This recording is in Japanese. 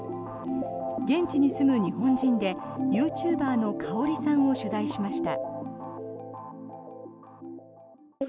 現地に住む日本人でユーチューバーのＫａｏｒｉさんを取材しました。